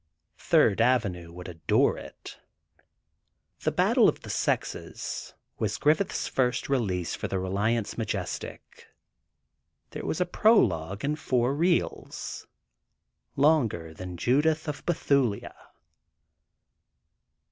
Third Avenue would adore it. "The Battle of the Sexes" was Griffith's first release for the Reliance Majestic. There was a prologue and four reels; longer than "Judith of Bethulia."